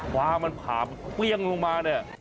ฟ้ามันผ่ามันเปรี้ยงลงมาเนี่ย